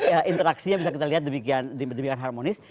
ya interaksinya bisa kita lihat demikian harmonis